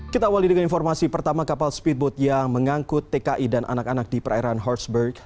kita awali dengan informasi pertama kapal speedboat yang mengangkut tki dan anak anak di perairan hotsburg